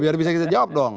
biar bisa kita jawab dong